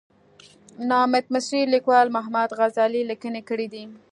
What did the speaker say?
نامت مصري لیکوال محمد غزالي لیکنې کړې دي.